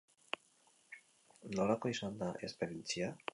Nolakoa izan da esperientzia?